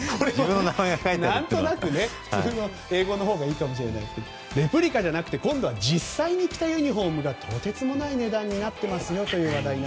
何となく普通の英語のほうがいいかもしれませんけどレプリカじゃなくて今度は実際に着たユニホームがとてつもない値段になっています。